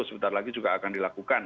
sebentar lagi juga akan dilakukan